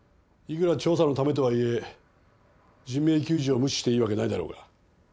いくら調査のためとはいえ人命救助を無視していいわけないだろうが。